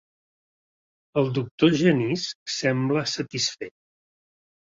El doctor Genís sembla satisfet.